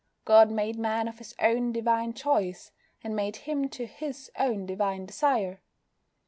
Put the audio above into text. God made Man of His own divine choice, and made him to His own divine desire.